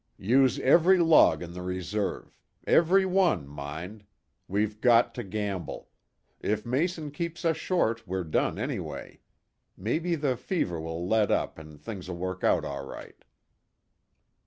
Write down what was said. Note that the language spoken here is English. "Use every log in the reserve. Every one, mind. We've got to gamble. If Mason keeps us short we're done anyway. Maybe the fever will let up, and things'll work out all right."